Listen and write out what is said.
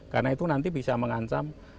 karena itu nanti bisa mengancam